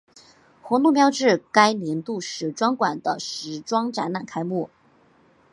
活动标志该年度时装馆的时装展览开幕。